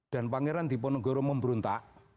dan pangeran tiponegoro memberuntak